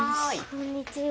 こんにちは。